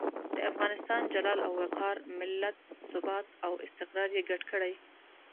د افغانستان جلال او وقار، ملت ثبات او استقرار یې ګډ کړي.